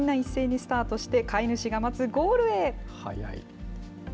みんな一斉にスタートして、飼い主が待速い。